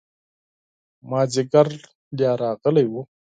مازدیګر لا راغلی و.